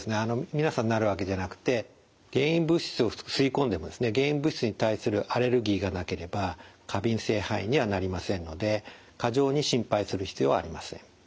皆さんなるわけじゃなくて原因物質を吸い込んでもですね原因物質に対するアレルギーがなければ過敏性肺炎にはなりませんので過剰に心配する必要はありません。